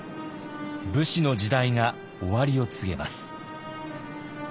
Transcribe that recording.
武士の時代が終わりを告げます。